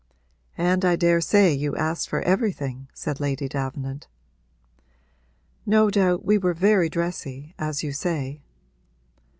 'And I daresay you asked for everything?' said Lady Davenant. 'No doubt we were very dressy, as you say.'